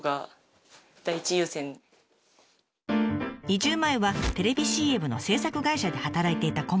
移住前はテレビＣＭの制作会社で働いていたこむさん。